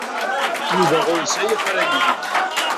Yuba ur yesɛi afrayen.